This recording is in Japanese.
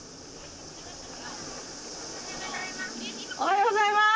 おはようございます。